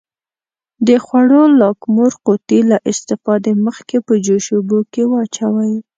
د خوړو لاکمُر قوطي له استفادې مخکې په جوش اوبو کې واچوئ.